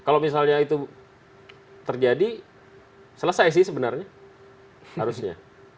kalau misalnya itu terjadi selesai sih sebenarnya harusnya